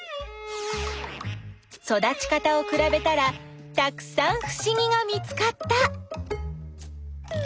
育ち方をくらべたらたくさんふしぎが見つかった！